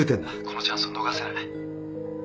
このチャンスを逃せない。